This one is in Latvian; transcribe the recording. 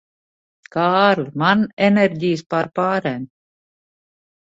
Kārli, man enerģijas pārpārēm.